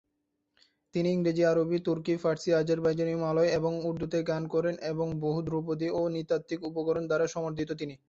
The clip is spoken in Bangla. তিনি ইংরেজি, আরবি, তুর্কি, ফার্সি, আজারবাইজানীয়, মালয় এবং উর্দুতে গান করেন এবং বহু ধ্রুপদী ও নৃতাত্ত্বিক উপকরণ দ্বারা সমর্থিত তিনি।